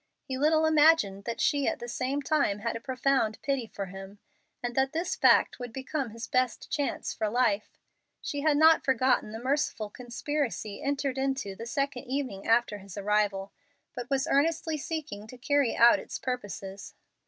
He little imagined that she at the same time had a profound pity for him, and that this fact would become his best chance for life. She had not forgotten the merciful conspiracy entered into the second evening after his arrival, but was earnestly seeking to carry out its purposes.